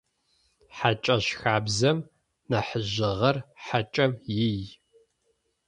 Хьакӏэщ хабзэм нахьыжъыгъэр хьакӏэм ий.